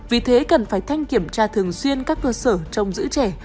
vì thế cần phải thanh kiểm tra thường xuyên các cơ sở trong giữ trẻ